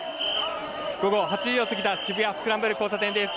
午後８時を過ぎた渋谷スクランブル交差点です。